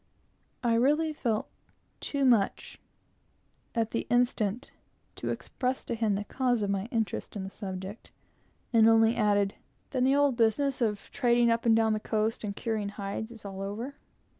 I really felt too much, at the instant, to express to him the cause of my interest in the subject, and only added, "Then the old business of trading up and down the coast and curing hides for cargoes is all over?"